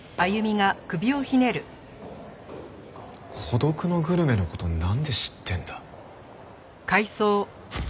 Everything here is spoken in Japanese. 『孤独のグルメ』の事なんで知ってんだ？